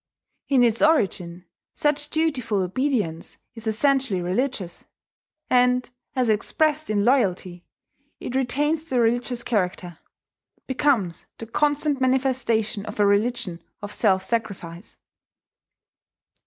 In its origin such dutiful obedience is essentially religious; and, as expressed in loyalty, it retains the religious character, becomes the constant manifestation of a religion of self sacrifice.